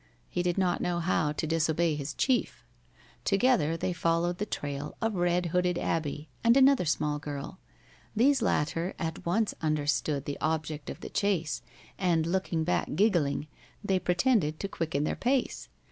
He did not know how to disobey his chief. Together they followed the trail of red hooded Abbie and another small girl. These latter at once understood the object of the chase, and looking back giggling, they pretended to quicken their pace.